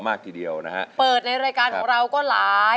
นักสู้ชีวิตแต่ละคนก็ฝ่าฟันและสู้กับเพลงนี้มากก็หลายรอบ